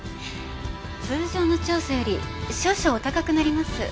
通常の調査より少々お高くなります。